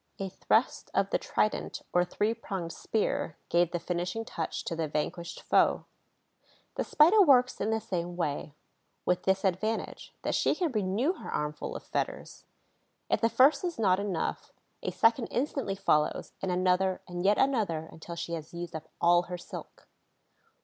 A thrust of the trident, or three pronged spear, gave the finishing touch to the vanquished foe. The Spider works in the same way, with this advantage, that she can renew her armful of fetters. If the first is not enough, a second instantly follows, and another and yet another until she has used up all her silk.